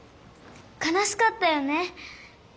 かなしかったよね。